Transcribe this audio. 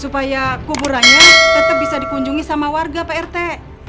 supaya kuburannya tetep bisa dikunjungi sama warga pak rete